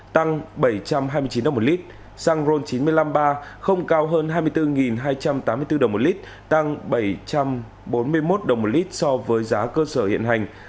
tăng bảy trăm hai mươi chín đồng một lít xăng ron chín trăm năm mươi ba không cao hơn hai mươi bốn hai trăm tám mươi bốn đồng một lít tăng bảy trăm bốn mươi một đồng một lít so với giá cơ sở hiện hành